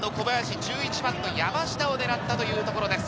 １１番の山下を狙ったというところです。